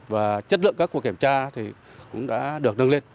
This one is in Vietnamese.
và chất lượng các cuộc kiểm tra thì cũng đã được nâng lên